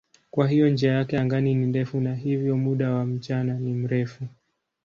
Kwa hiyo njia yake angani ni ndefu na hivyo muda wa mchana ni mrefu.